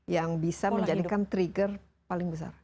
yang bisa menjadikan trigger paling besar